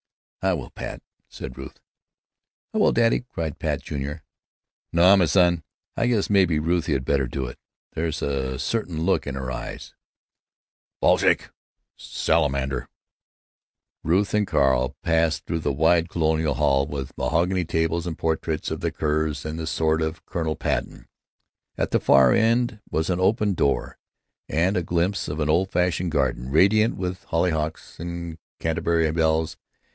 "I will, Pat," said Ruth. "I will, daddy," cried Pat, Jr. "No, my son, I guess maybe Ruthie had better do it. There's a certain look in her eyes——" "Basilisk!" "Salamander!" Ruth and Carl passed through the wide colonial hall, with mahogany tables and portraits of the Kerrs and the sword of Colonel Patton. At the far end was an open door, and a glimpse of an old fashioned garden radiant with hollyhocks and Canterbury bells.